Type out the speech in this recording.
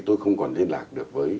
tôi không còn liên lạc được với